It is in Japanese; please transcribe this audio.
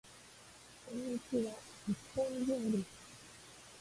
こんにちわ。日本人です。